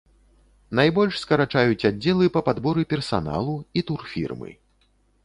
Найбольш скарачаюць аддзелы па падборы персаналу і турфірмы.